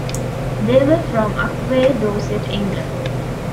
They were from Upwey, Dorset, England.